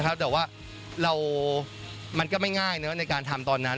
แต่ว่ามันก็ไม่ง่ายในการทำตอนนั้น